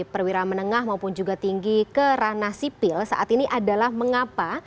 perwira menengah maupun juga tinggi ke ranah sipil saat ini adalah mengapa